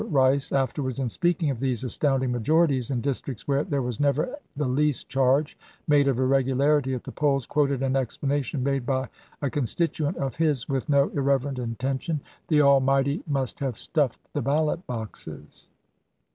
Rice afterwards, in speaking of these astound ing majorities in districts where there was never the least charge made of irregularity at the polls, quoted an explanation made by a constituent of his, with no irreverent intention, "The Almighty must have stuffed the ballot boxes."